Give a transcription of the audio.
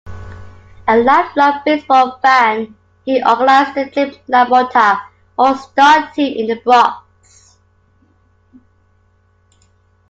A lifelong baseball fan, he organized the Jake LaMotta All-Star Team in the Bronx.